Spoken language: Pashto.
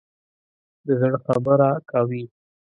د زړه خبره کوي.